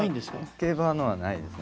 競馬のはないですね。